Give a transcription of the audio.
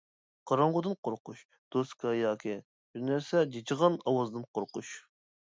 قاراڭغۇدىن قورقۇش، دوسكا ياكى بىرنەرسە جىجىغان ئاۋازدىن قورقۇش.